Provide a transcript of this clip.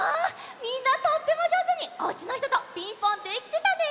みんなとってもじょうずにおうちのひとと「ピンポン」できてたね！